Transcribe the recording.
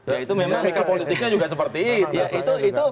ya itu memang mika politiknya juga seperti itu